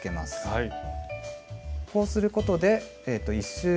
はい。